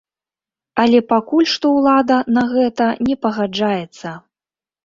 Але пакуль што ўлада на гэта не пагаджаецца.